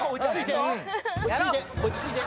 落ち着いて落ち着いて。